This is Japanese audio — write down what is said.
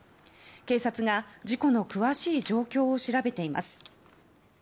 警察が事故の詳しい状況を調べています。